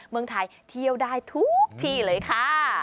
เมืองไทยเที่ยวได้ทุกที่เลยค่ะ